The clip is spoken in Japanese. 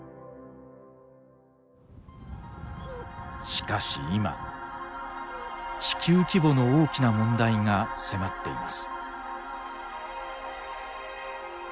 しかし今地球規模の大きな問題が迫っています。